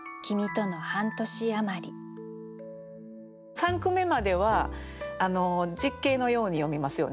三句目までは実景のように読みますよね。